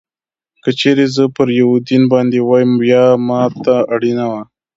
که چېرې زه پر یوه دین باندې وای، بیا ما ته اړینه وه.